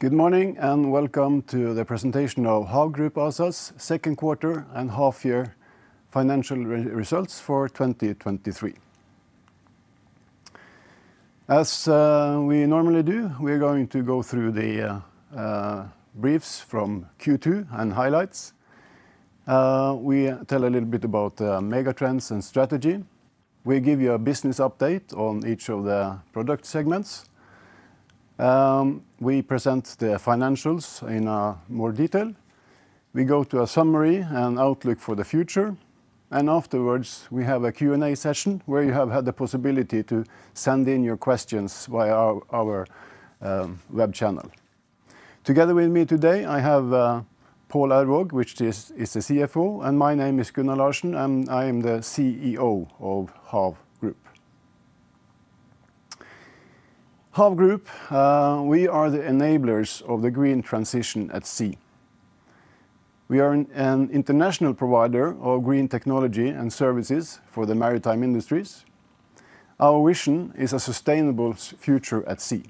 Good morning, and welcome to the presentation of HAV Group ASA's second quarter and half-year financial results for 2023. As we normally do, we're going to go through the briefs from Q2 and highlights. We tell a little bit about mega trends and strategy. We give you a business update on each of the product segments. We present the financials in more detail. We go to a summary and outlook for the future, and afterwards, we have a Q&A session, where you have had the possibility to send in your questions via our web channel. Together with me today, I have Pål Aurvåg, which is the CFO, and my name is Gunnar Larsen, and I am the CEO of HAV Group. HAV Group, we are the enablers of the green transition at sea. We are an international provider of green technology and services for the maritime industries. Our vision is a sustainable future at sea.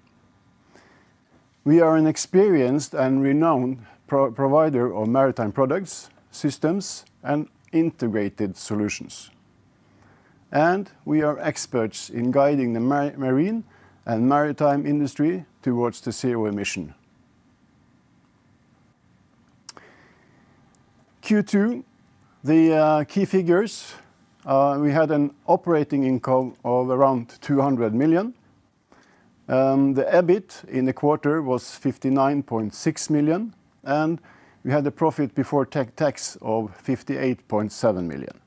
We are an experienced and renowned provider of maritime products, systems, and integrated solutions, and we are experts in guiding the marine and maritime industry towards the zero emission. Q2, the key figures, we had an operating income of around 200 million, and the EBIT in the quarter was 59.6 million, and we had a profit before tax of 58.7 million.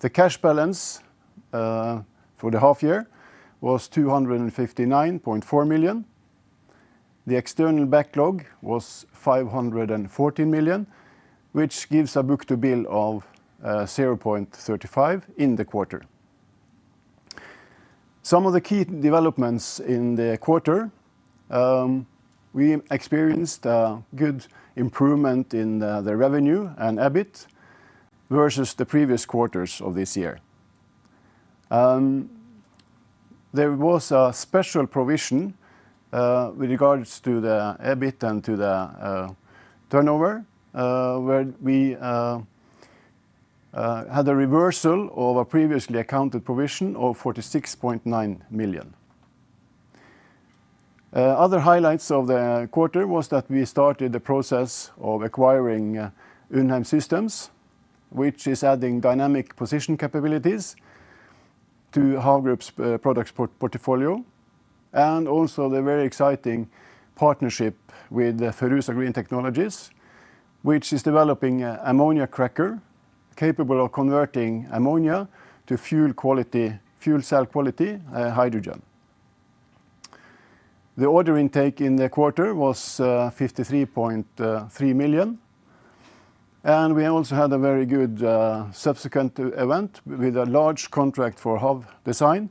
The cash balance for the half year was 259.4 million. The external backlog was 514 million, which gives a book-to-bill of 0.35 in the quarter. Some of the key developments in the quarter, we experienced a good improvement in the revenue and EBIT versus the previous quarters of this year. There was a special provision with regards to the EBIT and to the turnover where we had a reversal of a previously accounted provision of 46.9 million. Other highlights of the quarter was that we started the process of acquiring Undheim Systems, which is adding dynamic positioning capabilities to HAV Group's products portfolio, and also the very exciting partnership with the Pherousa Green Technologies, which is developing an ammonia cracker capable of converting ammonia to fuel quality, fuel cell quality hydrogen. The order intake in the quarter was 53.3 million, and we also had a very good subsequent event with a large contract for HAV Design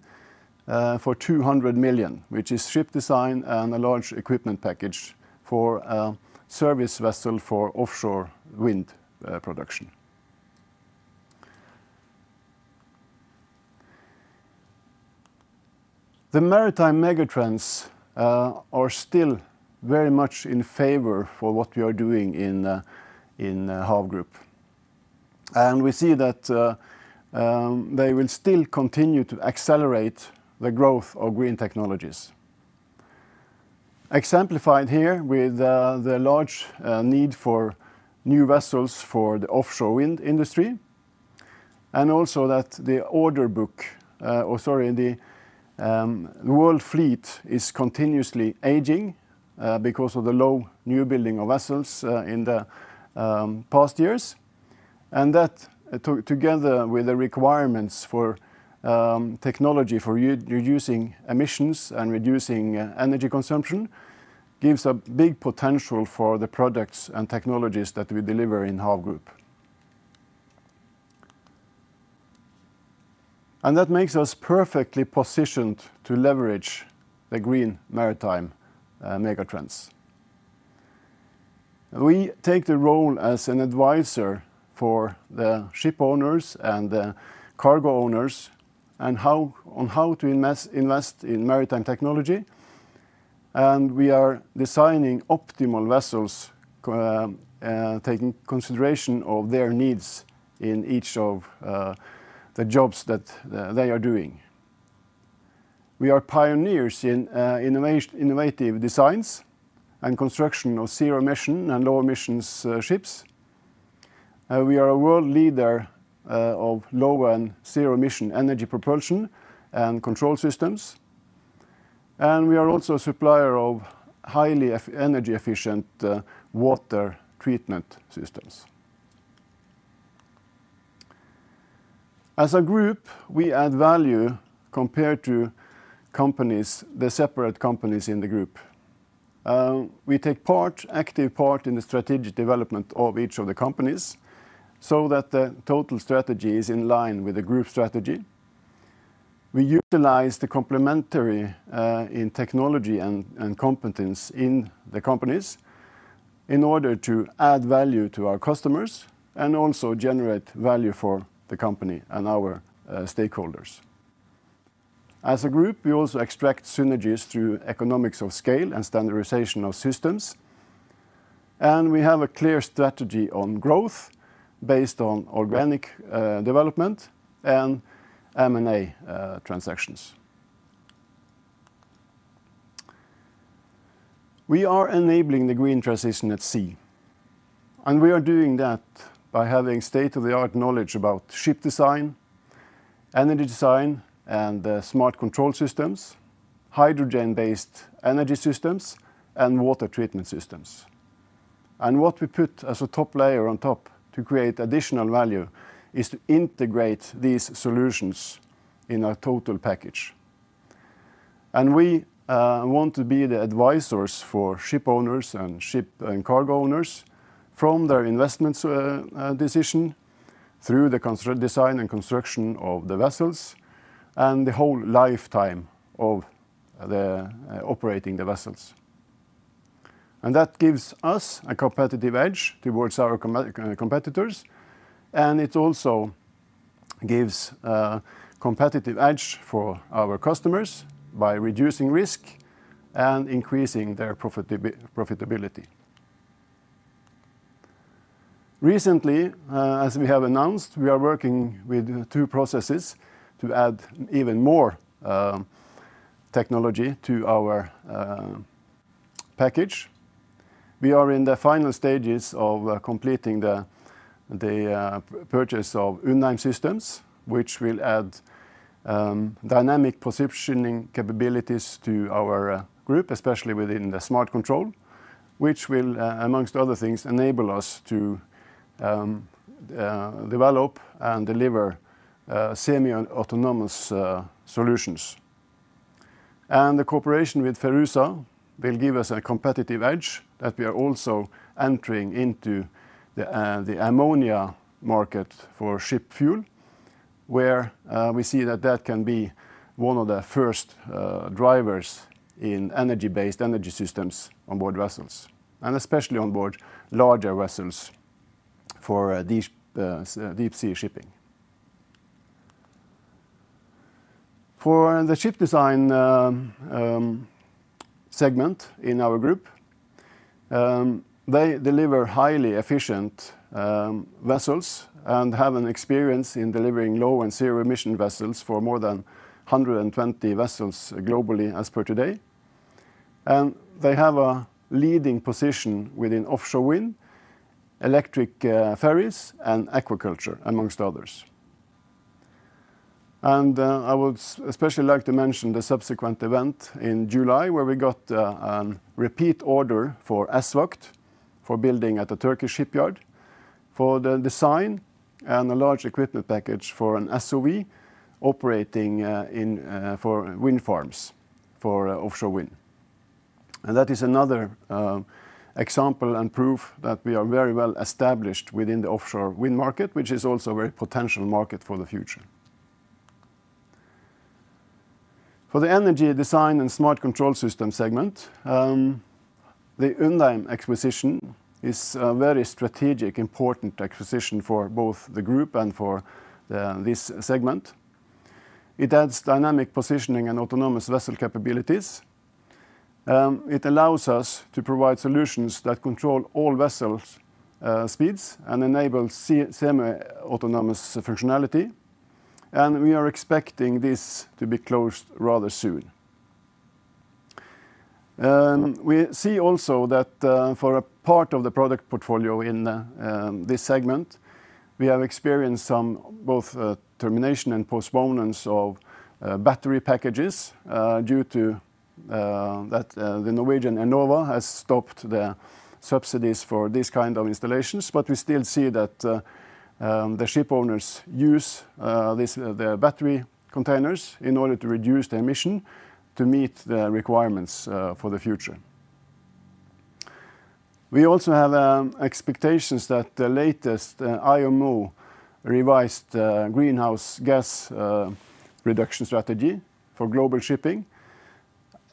for 200 million, which is ship design and a large equipment package for a service vessel for offshore wind production. The maritime megatrends are still very much in favor for what we are doing in HAV Group, and we see that they will still continue to accelerate the growth of green technologies. Exemplified here with the large need for new vessels for the offshore wind industry, and also that the order book or sorry, the world fleet is continuously aging because of the low new building of vessels in the past years. And that together with the requirements for technology for reducing emissions and reducing energy consumption, gives a big potential for the products and technologies that we deliver in HAV Group. And that makes us perfectly positioned to leverage the green maritime megatrends. We take the role as an advisor for the ship owners and the cargo owners, and how to invest in maritime technology, and we are designing optimal vessels, taking consideration of their needs in each of the jobs that they are doing. We are pioneers in innovative designs and construction of zero-emission and low-emissions ships. We are a world leader of low and zero-emission energy propulsion and control systems, and we are also a supplier of highly energy-efficient water treatment systems. As a group, we add value compared to the separate companies in the group. We take an active part in the strategic development of each of the companies so that the total strategy is in line with the group strategy. We utilize the complementary in technology and competence in the companies. In order to add value to our customers, and also generate value for the company and our stakeholders. As a group, we also extract synergies through economies of scale and standardization of systems, and we have a clear strategy on growth based on organic development and M&A transactions. We are enabling the green transition at sea, and we are doing that by having state-of-the-art knowledge about ship design, energy design, and smart control systems, hydrogen-based energy systems, and water treatment systems. And what we put as a top layer on top to create additional value is to integrate these solutions in a total package. And we want to be the advisors for ship owners and ship and cargo owners from their investments decision through the construct design and construction of the vessels and the whole lifetime of the operating the vessels. And that gives us a competitive edge towards our competitors, and it also gives a competitive edge for our customers by reducing risk and increasing their profitability. Recently, as we have announced, we are working with two processes to add even more technology to our package. We are in the final stages of completing the purchase of Undheim Systems, which will add dynamic positioning capabilities to our group, especially within the smart control, which will, among other things, enable us to develop and deliver semi-autonomous solutions. The cooperation with Pherousa will give us a competitive edge, that we are also entering into the ammonia market for ship fuel, where we see that that can be one of the first drivers in energy-based energy systems on board vessels, and especially on board larger vessels for deep sea shipping. For the ship design segment in our group, they deliver highly efficient vessels and have an experience in delivering low and zero-emission vessels for more than 120 vessels globally, as per today. They have a leading position within offshore wind, electric ferries, and aquaculture, among others. And, I would especially like to mention the subsequent event in July, where we got repeat order for ESVAGT, for building at a Turkish shipyard, for the design and a large equipment package for an SOV operating in for wind farms for offshore wind. And that is another example and proof that we are very well established within the offshore wind market, which is also a very potential market for the future. For the energy design and smart control system segment, the Undheim acquisition is a very strategic, important acquisition for both the group and for this segment. It adds dynamic positioning and autonomous vessel capabilities. It allows us to provide solutions that control all vessels' speeds and enable semi-autonomous functionality, and we are expecting this to be closed rather soon. And we see also that, for a part of the product portfolio in this segment, we have experienced some both termination and postponements of battery packages due to that the Norwegian Enova has stopped the subsidies for these kind of installations. But we still see that the ship owners use this the battery containers in order to reduce the emission to meet the requirements for the future. We also have expectations that the latest IMO revised greenhouse gas reduction strategy for global shipping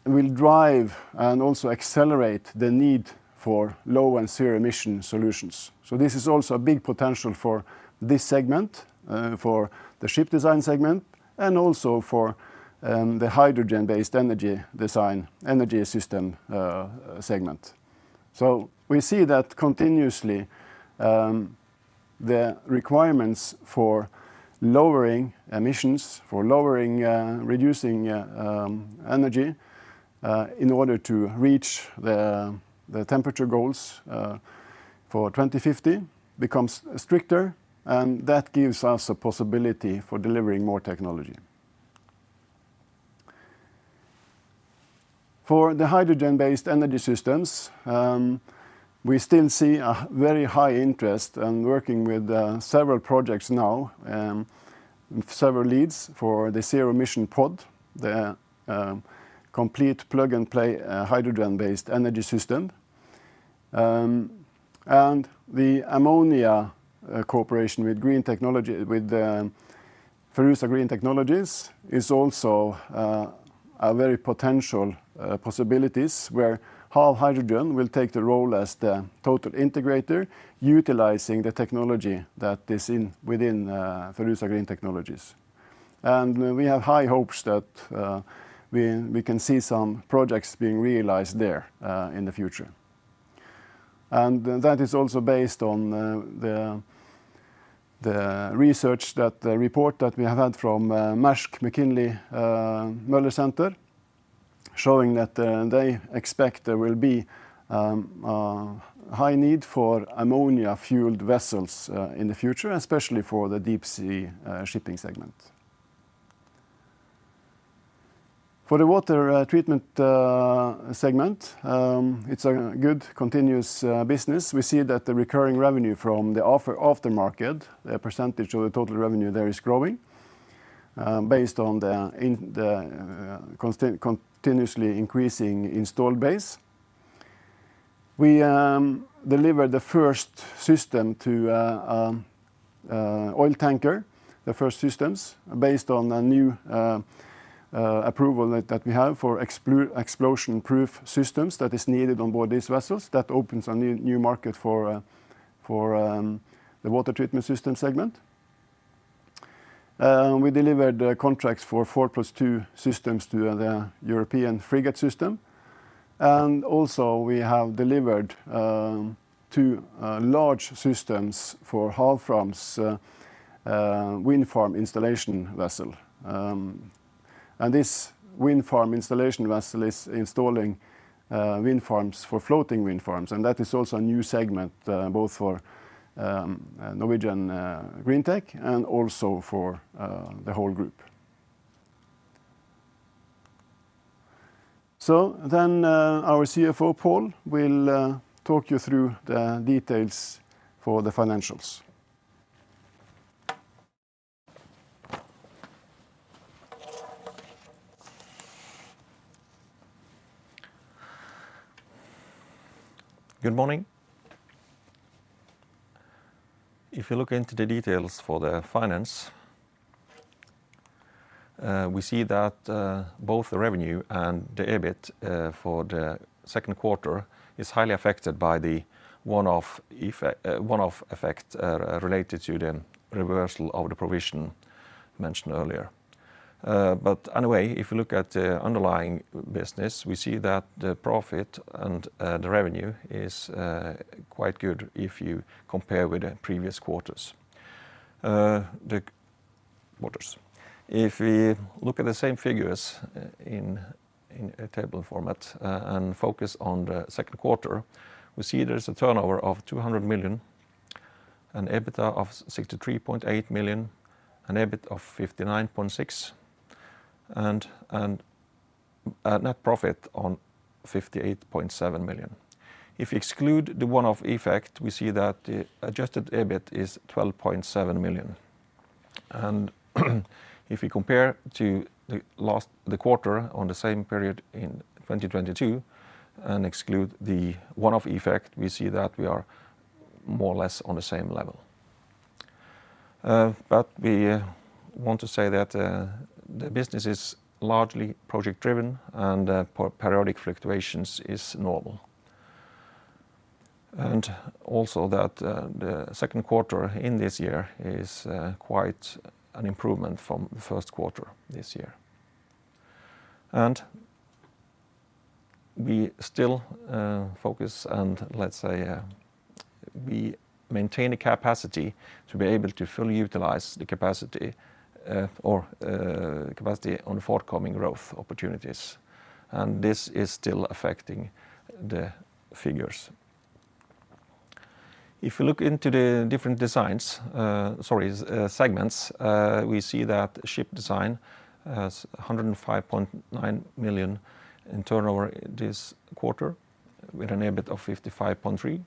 will drive and also accelerate the need for low and zero-emission solutions. So this is also a big potential for this segment, for the ship design segment, and also for the hydrogen-based energy design, energy system segment. So we see that continuously, the requirements for lowering emissions, for lowering, reducing, energy, in order to reach the temperature goals for 2050, becomes stricter, and that gives us a possibility for delivering more technology. For the hydrogen-based energy systems, we still see a very high interest in working with, several projects now, several leads for the Zero Emission Pod, the, complete plug-and-play, hydrogen-based energy system. And the ammonia cooperation with green technology, with, Pherousa Green Technologies is also, a very potential, possibilities where HAV Hydrogen will take the role as the total integrator utilizing the technology that is in, within, Pherousa Green Technologies. And we have high hopes that, we can see some projects being realized there, in the future. That is also based on the research, the report that we have had from Mærsk Mc-Kinney Møller Center, showing that they expect there will be high need for ammonia-fueled vessels in the future, especially for the deep-sea shipping segment. For the water treatment segment, it's a good, continuous business. We see that the recurring revenue from the aftermarket, the percentage of the total revenue there is growing, based on the continuously increasing install base. We delivered the first system to oil tanker, the first systems, based on a new approval that we have for explosion-proof systems that is needed on board these vessels. That opens a new market for the water treatment system segment. We delivered contracts for 4sytems+ 2 systems to the European frigate system, and also we have delivered 2 large systems for Havfram's wind farm installation vessel. And this wind farm installation vessel is installing wind farms for floating wind farms, and that is also a new segment both for Norwegian Greentech and also for the whole group. So then our CFO, Pål, will talk you through the details for the financials. Good morning. If you look into the details for the finance, we see that both the revenue and the EBIT for the second quarter is highly affected by the one-off effect, one-off effect, related to the reversal of the provision mentioned earlier. But anyway, if you look at the underlying business, we see that the profit and the revenue is quite good if you compare with the previous quarters, the quarters. If we look at the same figures in a table format and focus on the second quarter, we see there's a turnover of 200 million, an EBITDA of 63.8 million, an EBIT of 59.6 million, and a net profit on 58.7 million. If you exclude the one-off effect, we see that the adjusted EBIT is 12.7 million. If you compare to the last... the quarter on the same period in 2022, and exclude the one-off effect, we see that we are more or less on the same level. But we want to say that the business is largely project-driven, and periodic fluctuations is normal. And also, that the second quarter in this year is quite an improvement from the first quarter this year. And we still focus and, let's say, we maintain a capacity to be able to fully utilize the capacity, or capacity on forthcoming growth opportunities, and this is still affecting the figures. If you look into the different designs, sorry, segments, we see that ship design has 105.9 million in turnover this quarter, with an EBIT of 55.3 million.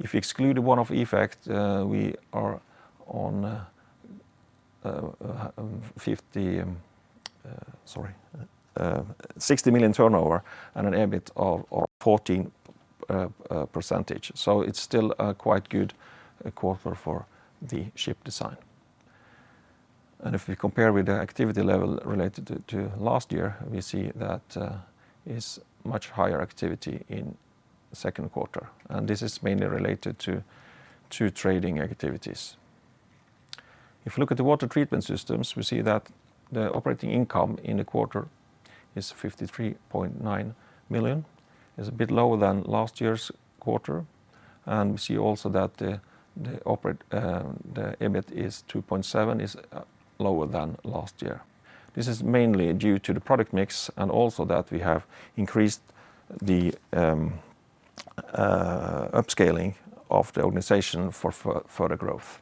If you exclude the one-off effect, we are on 60 million turnover and an EBIT of 14%. So it's still a quite good quarter for the ship design. And if you compare with the activity level related to last year, we see that is much higher activity in the second quarter, and this is mainly related to trading activities. If you look at the water treatment systems, we see that the operating income in the quarter is 53.9 million. It's a bit lower than last year's quarter, and we see also that the operate, the EBIT is 2.7 million, is lower than last year. This is mainly due to the product mix, and also that we have increased the upscaling of the organization for further growth.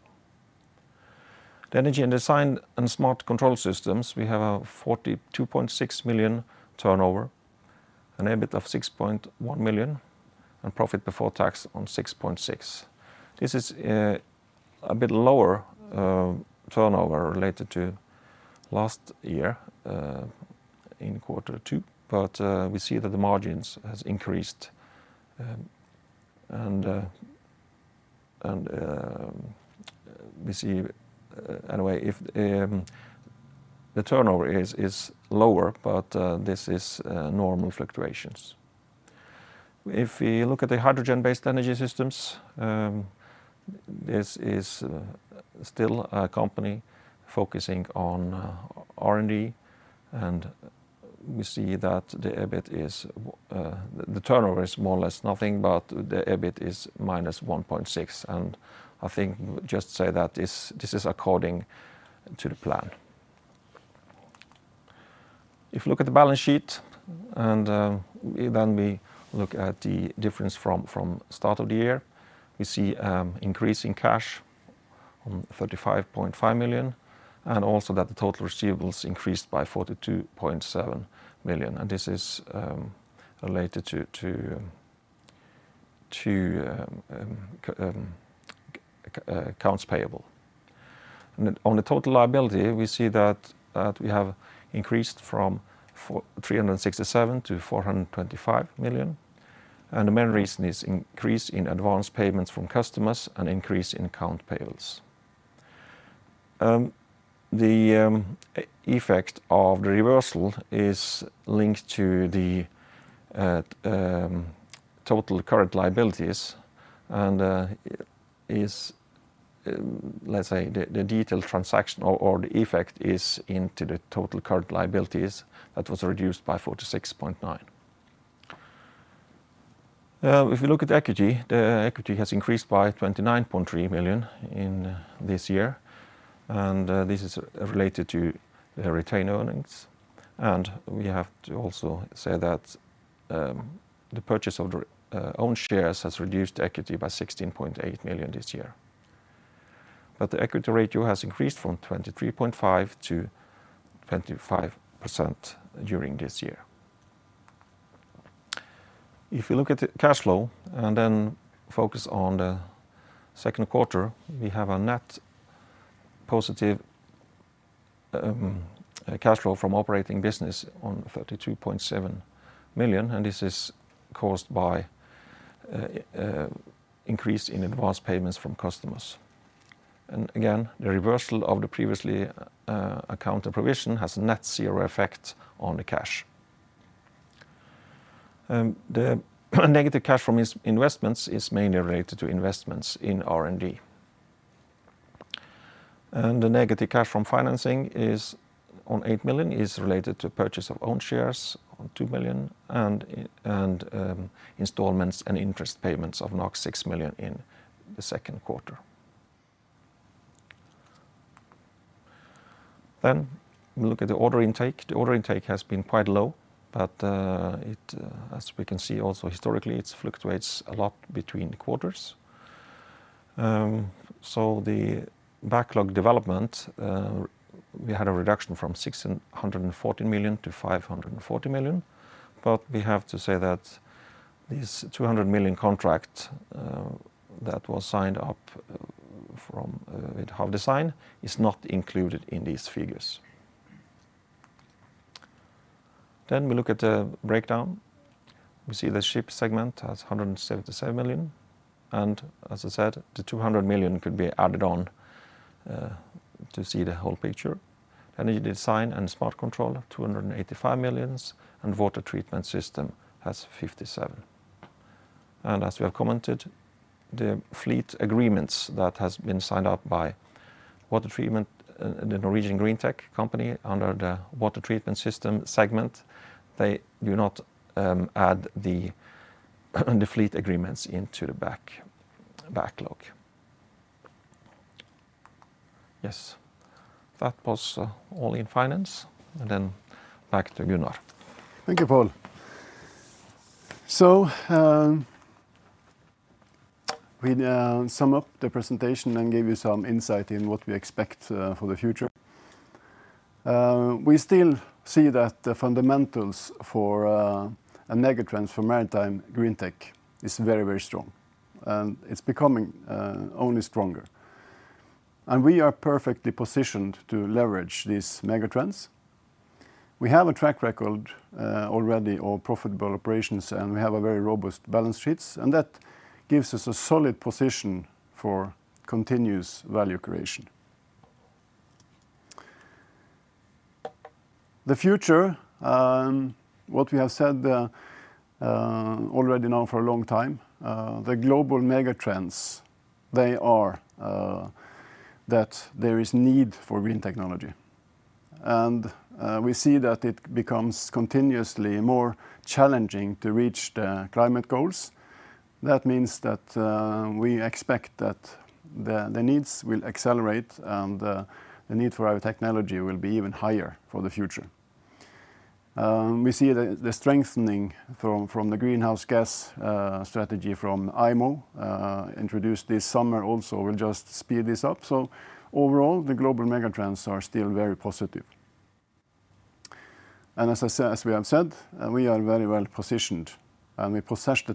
The energy and design and smart control systems, we have a 42.6 million turnover, an EBIT of 6.1 million, and profit before tax on 6.6 million. This is a bit lower turnover related to last year in quarter two, but we see that the margins has increased, and we see anyway if the turnover is lower, but this is normal fluctuations. If we look at the hydrogen-based energy systems, this is still a company focusing on R&D, and we see that the turnover is more or less nothing, but the EBIT is -1.6, and I think just say that this is according to the plan. If you look at the balance sheet, and we then look at the difference from start of the year, we see increase in cash on 35.5 million, and also that the total receivables increased by 42.7 million, and this is related to accounts payable. And on the total liability, we see that we have increased from 367 million-425 million, and the main reason is increase in advance payments from customers and increase in account payables. The effect of the reversal is linked to the total current liabilities, and is let's say, the detailed transaction or the effect is into the total current liabilities that was reduced by 46.9 million. If you look at equity, the equity has increased by 29.3 million in this year, and this is related to the retained earnings. We have to also say that the purchase of the own shares has reduced equity by 16.8 million this year. But the equity ratio has increased from 23.5%-25% during this year. If you look at the cash flow, and then focus on the second quarter, we have a net positive cash flow from operating business of 32.7 million, and this is caused by increase in advance payments from customers. And, again, the reversal of the previously accounted provision has net zero effect on the cash. The negative cash from investments is mainly related to investments in R&D. The negative cash from financing is 8 million, related to purchase of own shares of 2 million, and installments and interest payments of 6 million in the second quarter. We look at the order intake. The order intake has been quite low, but as we can see also historically, it fluctuates a lot between the quarters. So the backlog development, we had a reduction from 640 million to 540 million, but we have to say that this 200 million contract that was signed with HAV Design is not included in these figures. We look at the breakdown. We see the ship segment has 177 million, and as I said, the 200 million could be added on to see the whole picture. Energy design and smart control, 285 million, and water treatment system has 57 million. As we have commented, the fleet agreements that has been signed up by water treatment, the Norwegian Greentech Company, under the water treatment system segment, they do not add the fleet agreements into the backlog. Yes. That was all in finance, and then back to Gunnar. Thank you, Pål. So, we sum up the presentation and give you some insight in what we expect for the future. We still see that the fundamentals for a megatrend for Maritime Green Tech is very, very strong, and it's becoming only stronger. And we are perfectly positioned to leverage these megatrends. We have a track record already of profitable operations, and we have a very robust balance sheets, and that gives us a solid position for continuous value creation. The future, what we have said already now for a long time, the global megatrends, they are that there is need for green technology, and we see that it becomes continuously more challenging to reach the climate goals. That means that we expect that the needs will accelerate, and the need for our technology will be even higher for the future. We see the strengthening from the greenhouse gas strategy from IMO introduced this summer also will just speed this up. So overall, the global megatrends are still very positive. And as I said—as we have said, we are very well positioned, and we possess the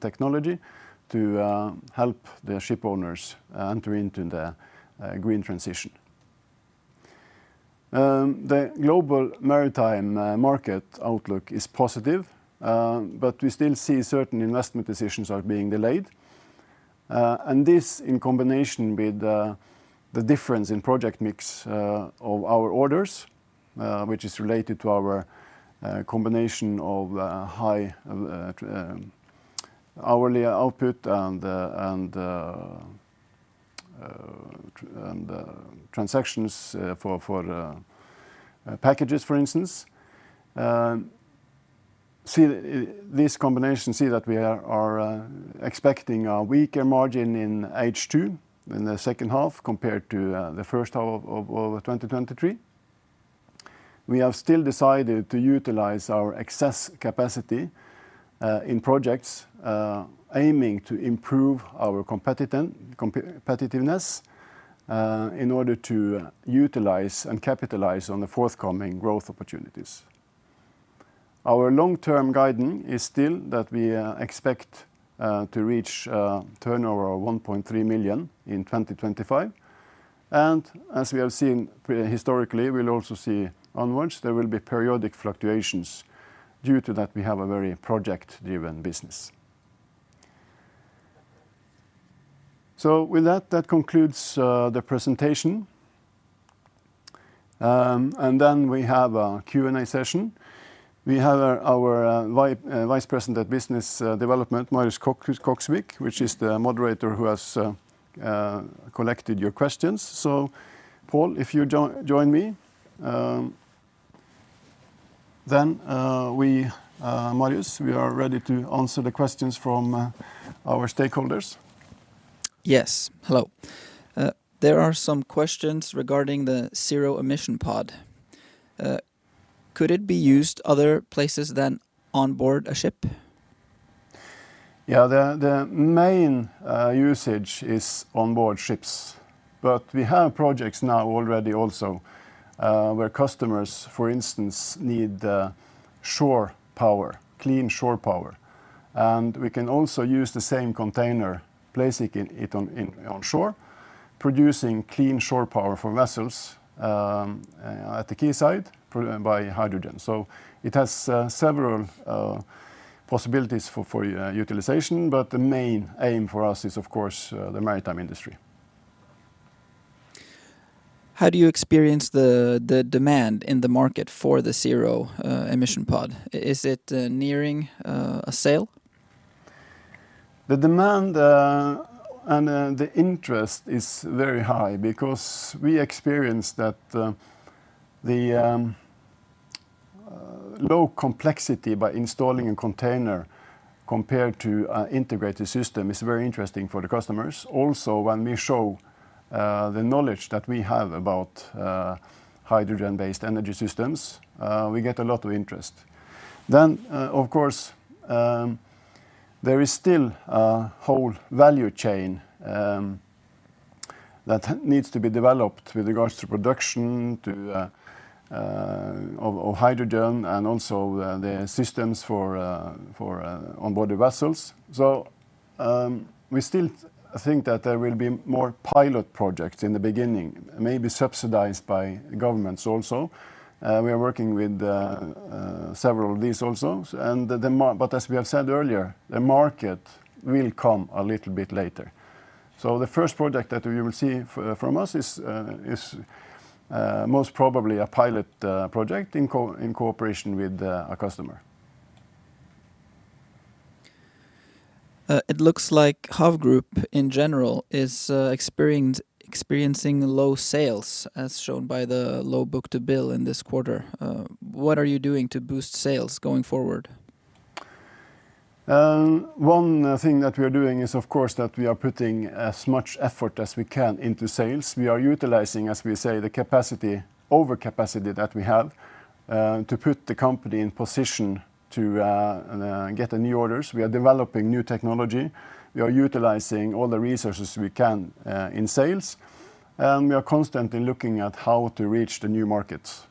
technology to help the shipowners enter into the green transition. The global maritime market outlook is positive, but we still see certain investment decisions are being delayed. And this, in combination with the difference in project mix of our orders, which is related to our combination of high hourly output and transactions for packages, for instance. See this combination. See that we are expecting a weaker margin in H2, in the second half, compared to the first half of 2023. We have still decided to utilize our excess capacity in projects aiming to improve our competitiveness in order to utilize and capitalize on the forthcoming growth opportunities. Our long-term guiding is still that we expect to reach turnover of 1.3 million in 2025. As we have seen prehistorically, we'll also see onwards, there will be periodic fluctuations due to that we have a very project-driven business. So with that, that concludes the presentation. And then we have a Q&A session. We have our Vice President of Business Development, Marius Koksvik, which is the moderator who has collected your questions. So Pål, if you join me, then we, Marius, we are ready to answer the questions from our stakeholders. Yes. Hello. There are some questions regarding the Zero Emission Pod. Could it be used other places than on board a ship? Yeah, the main usage is on board ships, but we have projects now already also, where customers, for instance, need shore power, clean shore power. And we can also use the same container, placing it on shore, producing clean shore power for vessels at the quayside provided by hydrogen. So it has several possibilities for utilization, but the main aim for us is, of course, the maritime industry. How do you experience the demand in the market for the Zero Emission Pod? Is it nearing a sale? The demand and the interest is very high because we experience that the low complexity by installing a container compared to an integrated system is very interesting for the customers. Also, when we show the knowledge that we have about hydrogen-based energy systems, we get a lot of interest. Then, of course, there is still a whole value chain that needs to be developed with regards to production of hydrogen, and also the systems for on board the vessels. So, we still think that there will be more pilot projects in the beginning, maybe subsidized by governments also. We are working with several of these also, and the market, but as we have said earlier, the market will come a little bit later. So the first project that you will see from us is most probably a pilot project in cooperation with a customer. It looks like HAV Group in general is experiencing low sales, as shown by the low book-to-bill in this quarter. What are you doing to boost sales going forward? One thing that we are doing is, of course, that we are putting as much effort as we can into sales. We are utilizing, as we say, the capacity, over capacity that we have, to put the company in position to get the new orders. We are developing new technology. We are utilizing all the resources we can in sales, and we are constantly looking at how to reach the new markets.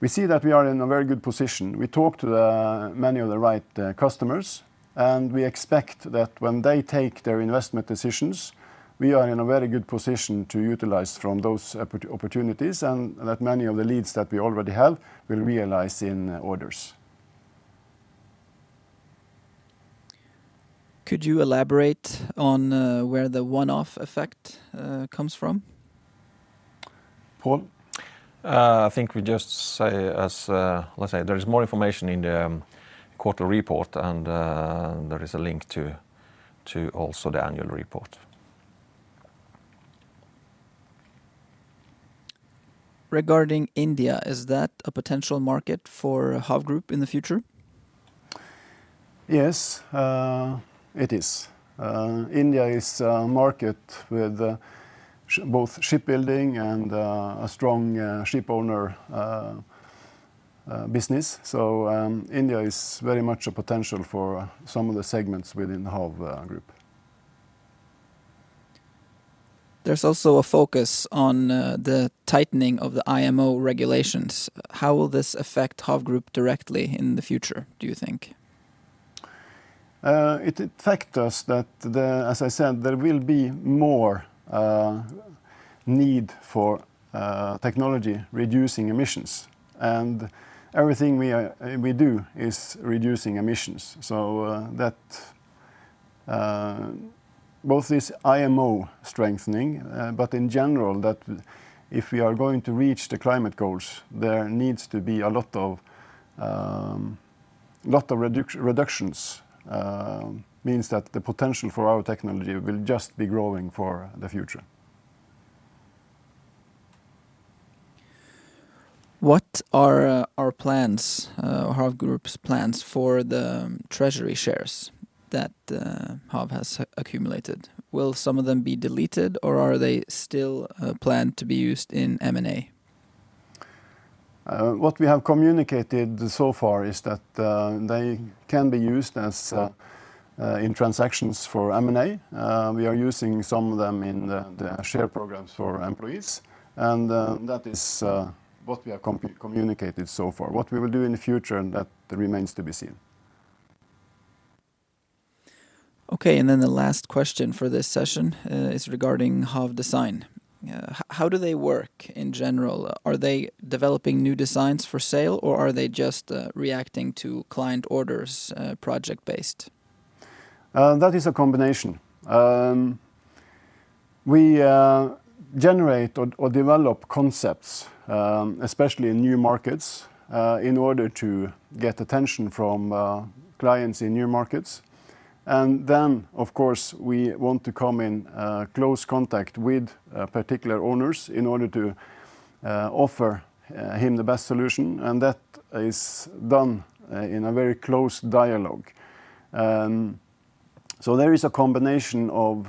We see that we are in a very good position. We talk to many of the right customers, and we expect that when they take their investment decisions, we are in a very good position to utilize from those opportunities, and that many of the leads that we already have, we'll realize in orders. Could you elaborate on where the one-off effect comes from? Pål? I think we just say, let's say there is more information in the quarterly report, and there is a link to also the annual report. Regarding India, is that a potential market for HAV Group in the future? Yes, it is. India is a market with both shipbuilding and a strong shipowner business. So, India is very much a potential for some of the segments within HAV Group. There's also a focus on the tightening of the IMO regulations. How will this affect HAV Group directly in the future, do you think? ... it affect us that the, as I said, there will be more need for technology reducing emissions, and everything we do is reducing emissions. So, that both this IMO strengthening, but in general, that if we are going to reach the climate goals, there needs to be a lot of reductions, means that the potential for our technology will just be growing for the future. What are our plans, or HAV Group's plans for the treasury shares that HAV has accumulated? Will some of them be deleted, or are they still planned to be used in M&A? What we have communicated so far is that they can be used as in transactions for M&A. We are using some of them in the share programs for employees, and that is what we have communicated so far. What we will do in the future, and that remains to be seen. Okay, and then the last question for this session is regarding HAV Design. How do they work in general? Are they developing new designs for sale, or are they just reacting to client orders, project-based? That is a combination. We generate or develop concepts, especially in new markets, in order to get attention from clients in new markets. And then, of course, we want to come in close contact with particular owners in order to offer him the best solution, and that is done in a very close dialogue. So there is a combination of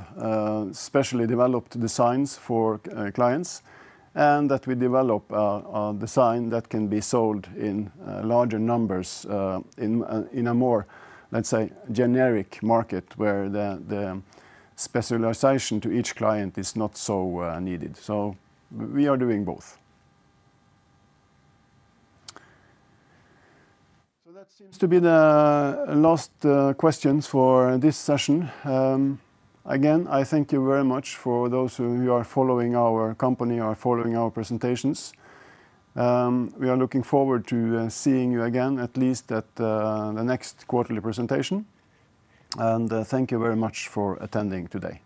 specially developed designs for clients, and that we develop a design that can be sold in larger numbers in a more, let's say, generic market, where the specialization to each client is not so needed. So we are doing both. So that seems to be the last questions for this session. Again, I thank you very much for those of you who are following our company or following our presentations. We are looking forward to seeing you again, at least at the next quarterly presentation, and thank you very much for attending today.